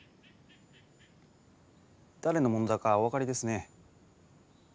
誰のものだかお分かりですね。